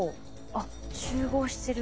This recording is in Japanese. あっ集合してる。